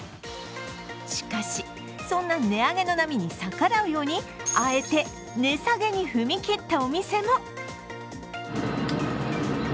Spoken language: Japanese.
しかし、そんな値上げの波に逆らうようにあえて値下げに踏み切ったお店も。